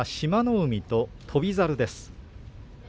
海と翔猿です。